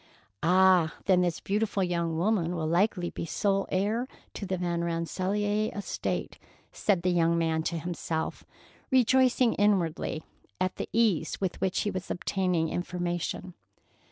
"Ah! Then this beautiful young woman will likely be sole heir to the Van Rensselaer estate," said the young man to himself, rejoicing inwardly at the ease with which he was obtaining information.